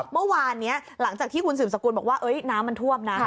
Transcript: เมื่อวานนี้หลังจากที่คุณสืบสกุลบอกว่าน้ำมันท่วมนะ